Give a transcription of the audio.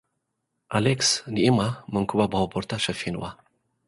ኣሌክስ ንኢማ መንኩባ ብኮበርታ ሸፊንዋ።